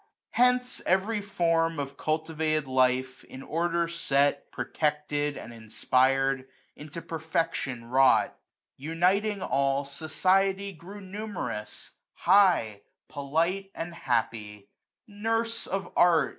Hencs every form of cultivated life In order set, protected, and inspir'd, tio Into perfection wrought Uniting all, Society grew numerous^ high^ polity it6 A U T U M N. And happy. Nurse of art